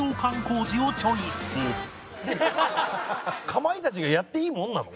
かまいたちがやっていいものなの？